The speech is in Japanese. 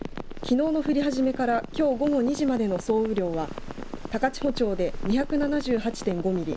きのうの降り始めからきょう午後２時までの総雨量は高千穂町で２７８．５ミリ